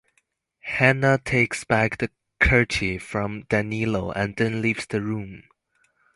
Hanna takes back the kerchief from Danilo and then leaves the room.